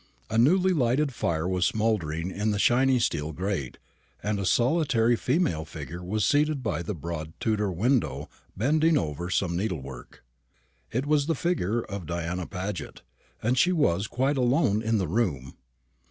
A newly lighted fire was smouldering in the shining steel grate, and a solitary female figure was seated by the broad Tudor window bending over some needlework. It was the figure of Diana Paget, and she was quite alone in the room.